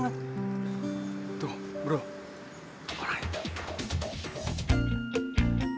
dia anaknya cakep suaranya bagus banget